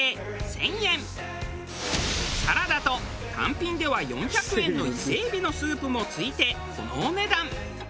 サラダと単品では４００円の伊勢海老のスープも付いてこのお値段。